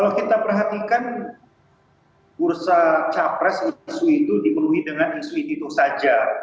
kalau kita perhatikan bursa capres isu itu dipenuhi dengan isu itu saja